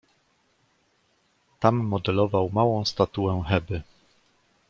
"Tam modelował małą statuę Heby."